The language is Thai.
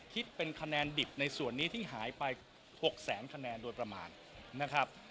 คิดเป็นคะแนนดิบในส่วนนี้ที่หายไป๖แสนคะแนนโดยประมาณนะครับ